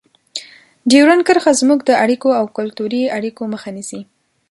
ډیورنډ کرښه زموږ د اړیکو او کلتوري اړیکو مخه نیسي.